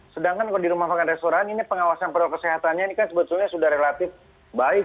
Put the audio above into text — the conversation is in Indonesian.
sedangkan di rumah tangga restoran pengawasan protokol kesehatannya ini kan sebetulnya sudah relatif baik